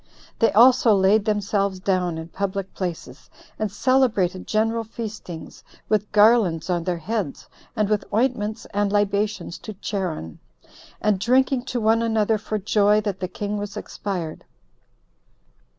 They also laid themselves down in public places, and celebrated general feastings, with garlands on their heads, and with ointments and libations to Charon, and drinking to one another for joy that the king was expired.